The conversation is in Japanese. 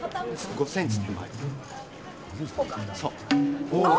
５センチ手前。